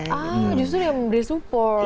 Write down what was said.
ah justru yang beri support